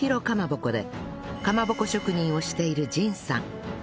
かまぼこでかまぼこ職人をしている神さん